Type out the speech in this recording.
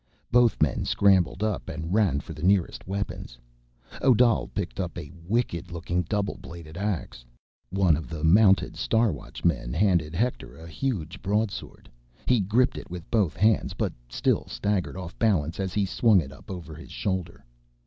Both men scrambled up and ran for the nearest weapons. Odal picked up a wicked looking double bladed ax. One of the mounted Star Watchmen handed Hector a huge broadsword. He gripped it with both hands, but still staggered off balance as he swung it up over his shoulder.